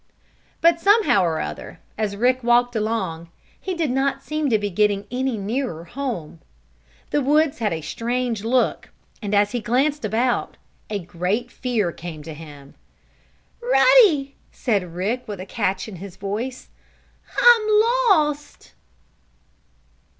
But, somehow or other, as Rick walked along, he did not seem to be getting any nearer home. The woods had a strange look, and, as he glanced about, a great fear came to him. "Ruddy," said Rick, with a catch in his voice, "I'm lost!"